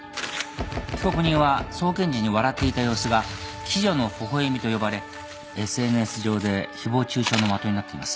被告人は送検時に笑っていた様子が「鬼女の微笑み」と呼ばれＳＮＳ上で誹謗中傷の的になっています。